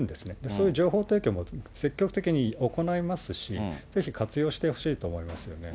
そういう情報提供も積極的に行いますし、ぜひ活用してほしいと思いますよね。